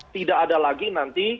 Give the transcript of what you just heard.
tidak ada lagi nanti